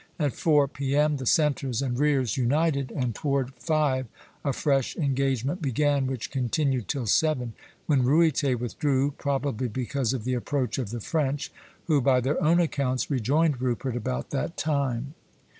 At four P.M. the centres and rears united, and toward five a fresh engagement began, which continued till seven, when Ruyter withdrew, probably because of the approach of the French, who, by their own accounts, rejoined Rupert about that time.